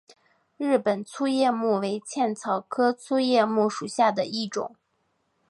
日本粗叶木为茜草科粗叶木属下的一个种。